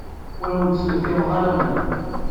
Ur awent-d-sserkameɣ aman.